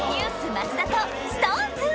増田とＳｉｘＴＯＮＥＳ